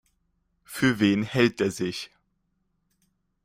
Für wen hält der sich?